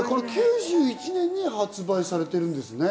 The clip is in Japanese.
９１年に発売されてるんですね。